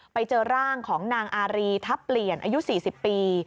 ไปเจอร่างของนางอารีทัพเปลี่ยนอายุ๔๐ปี